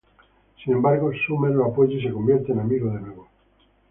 Sin embargo Summer lo apoya y se convierten en amigos de nuevo.